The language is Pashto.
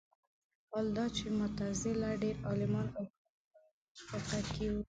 حال دا چې معتزله ډېر عالمان ابو حنیفه فقه کې وو